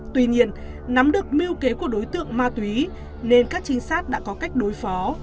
tuy nhiên nắm được mưu kế của đối tượng ma túy nên các trinh sát đã có cách đối phó